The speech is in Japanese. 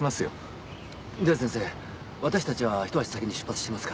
では先生私たちは一足先に出発してますから。